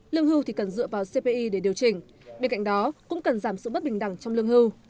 lương hưu thì cần dựa vào cpi để điều chỉnh bên cạnh đó cũng cần giảm sự bất bình đẳng trong lương hưu